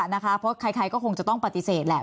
เพราะใครก็คงจะต้องปฏิเสธแหละ